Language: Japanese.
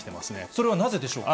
それはなぜでしょうか。